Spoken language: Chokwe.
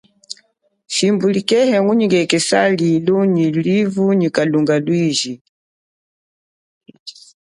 Shimbu likepe mungunyikisa lilu nyi hashi, mavu nyi kalunga lwiji.